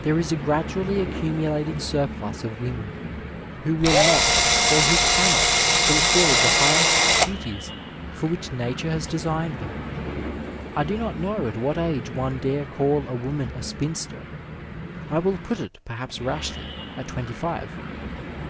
There is a gradually accumulating surplus of women who will not or who cannot fulfil the highest duties for which Nature has designed them. I do not know at what age one dare call a woman a spinster. I will put it, perhaps rashly, at twenty five.